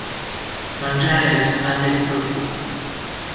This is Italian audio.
Mangiare alle spalle di qualcuno.